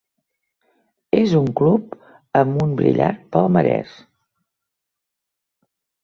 És un club amb un brillant palmarès.